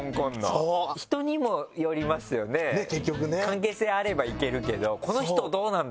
関係性あればいけるけどこの人どうなんだろう？と。